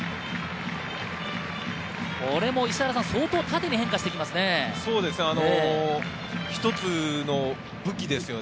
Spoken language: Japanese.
これも相当縦に変化してきますね。